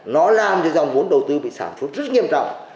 nó làm cho dòng vốn đầu tư bị sản xuất rất nghiêm trọng